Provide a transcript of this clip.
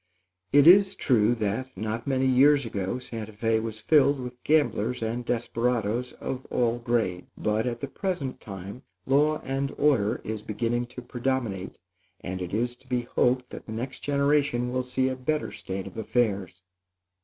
It is true that, not many years back, Santa Fé was filled with gamblers and desperadoes of all grades; but, at the present time, law and order is beginning to predominate, and it is to be hoped that the next generation will see a better state of affairs.